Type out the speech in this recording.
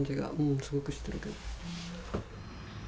すごくしてるけど。